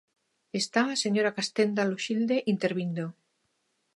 Está a señora Castenda Loxilde intervindo.